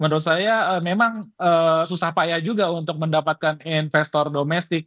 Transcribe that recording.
menurut saya memang susah payah juga untuk mendapatkan investor domestik